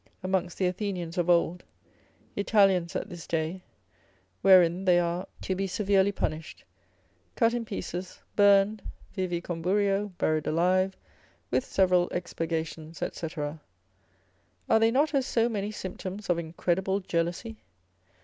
amongst the Athenians of old, Italians at this day, wherein they are to be severely punished, cut in pieces, burned, vivi comburio, buried alive, with several expurgations, &c. are they not as so many symptoms of incredible jealousy?